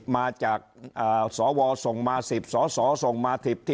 มาจากสวส่งมา๑๐สสส่งมา๑๐ที่